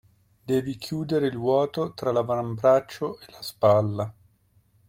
Devi chiudere il vuoto tra l'avambraccio e la spalla.